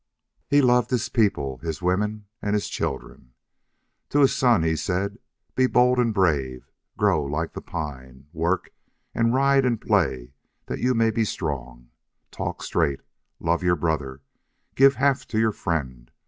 He loved his people, his women, and his children. To his son he said: "Be bold and brave. Grow like the pine. Work and ride and play that you may be strong. Talk straight. Love your brother. Give half to your friend.